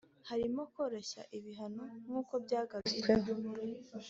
harimo koroshya ibihano nkuko byagarutsweho